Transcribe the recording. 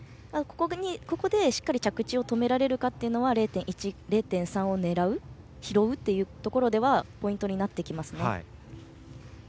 ここで、しっかり着地を止められるかというのは０．１、０．３を拾うというところではポイントになってきますね。